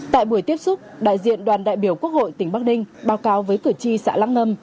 tại buổi tiếp xúc đại diện đoàn đại biểu quốc hội tỉnh bắc ninh báo cáo với cử tri xã lăng ngâm